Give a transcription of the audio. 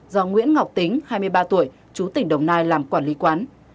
do nguyễn ngọc tính hai mươi ba tuổi chú tỉnh đồng nai làm quản lý quán